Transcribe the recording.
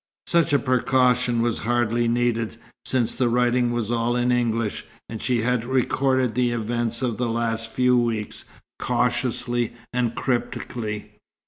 Such a precaution was hardly needed, since the writing was all in English, and she had recorded the events of the last few weeks cautiously and cryptically.